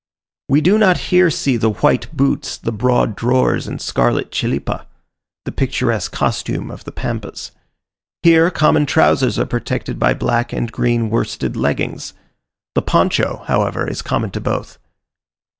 We do not here see the white boots, the broad drawers and scarlet chilipa; the picturesque costume of the Pampas. Here, common trousers are protected by black and green worsted leggings. The poncho, however, is common to both.